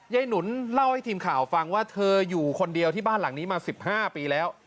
หนุนเล่าให้ทีมข่าวฟังว่าเธออยู่คนเดียวที่บ้านหลังนี้มา๑๕ปีแล้ว